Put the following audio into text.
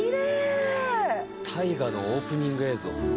大河のオープニング映像。